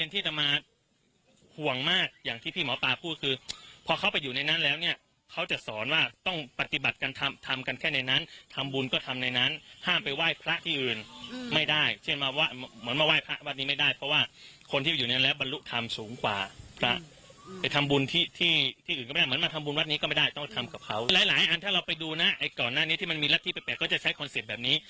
พระมหาภัยวัลเนี่ยที่มันมีลักษณ์แปลกก็จะใช้คอนเซ็ปต์แบบนี้